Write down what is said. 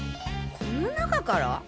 この中から？